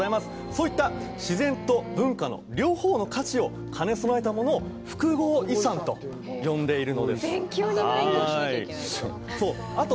そういった自然と文化の両方の価値を兼ね備えたものを複合遺産と呼んでいるのですあと